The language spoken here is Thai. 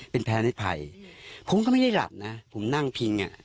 เป็นแพ้ในภัยผมก็ไม่ได้หลับนะผมนั่งพิงอ่ะ